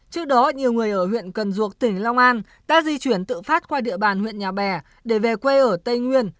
trước đó nhiều người ở huyện cần duộc tỉnh long an đã di chuyển tự phát qua địa bàn huyện nhà bè để về quê ở tây nguyên